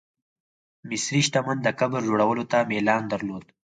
مصري شتمن د قبر جوړولو ته میلان درلود.